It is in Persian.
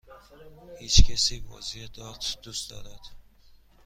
هیچکسی بازی دارت دوست دارد؟